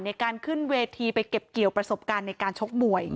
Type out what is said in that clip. ในการขึ้นเวทีไปเก็บเกี่ยวประสบการณ์ในการชกมวย